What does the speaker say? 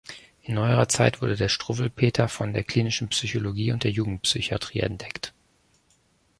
In neuerer Zeit wurde der "Struwwelpeter" von der klinischen Psychologie und der Jugendpsychiatrie entdeckt.